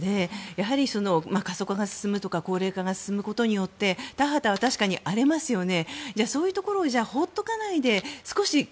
やはり過疎化が進むとか高齢化が進むことによって田畑は確かに荒れますよね。